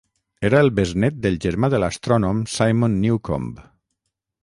Era el besnet del germà de l'astrònom Simon Newcomb.